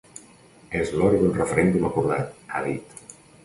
“És l’hora d’un referèndum acordat”, ha dit.